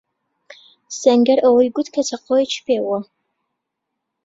سەنگەر ئەوەی گوت کە چەقۆیەکی پێبووە.